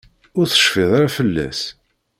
Ur tecfiḍ ara fell-as?